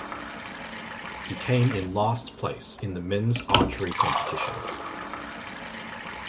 He came in last place in the men's archery competition.